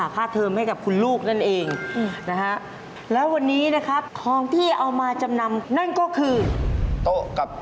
ค่าทุกอย่างก็เกือบหมื่นนะครับค่าทุกอย่างก็เกือบหมื่นนะครับ